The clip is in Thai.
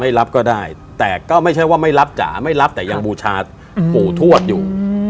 รับก็ได้แต่ก็ไม่ใช่ว่าไม่รับจ๋าไม่รับแต่ยังบูชาปู่ทวดอยู่